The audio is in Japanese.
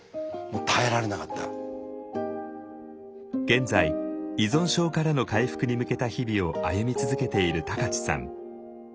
現在依存症からの回復に向けた日々を歩み続けている高知さん。